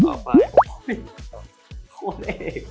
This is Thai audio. เอี่ยโครตเอก